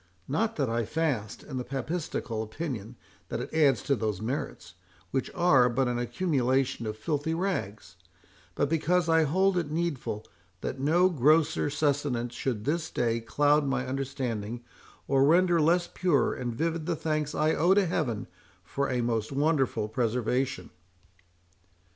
Not that I fast, in the papistical opinion that it adds to those merits, which are but an accumulation of filthy rags; but because I hold it needful that no grosser sustenance should this day cloud my understanding, or render less pure and vivid the thanks I owe to Heaven for a most wonderful preservation."